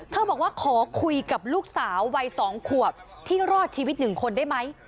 บอกว่าขอคุยกับลูกสาววัย๒ขวบที่รอดชีวิต๑คนได้ไหม